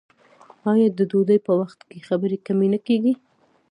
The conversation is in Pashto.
آیا د ډوډۍ په وخت کې خبرې کمې نه کیږي؟